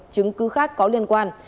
chứng cứ khác có liên quan